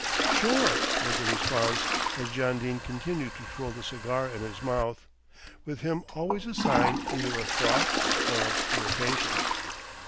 "Sure," was the response, as John Dene continued to twirl the cigar in his mouth, with him always a sign either of thought or of irritation.